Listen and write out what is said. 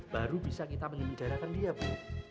baru bisa kita menyelenggarakan dia bu